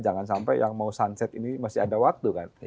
jangan sampai yang mau sunset ini masih ada waktu kan